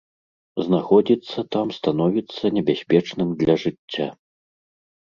Знаходзіцца там становіцца небяспечным для жыцця.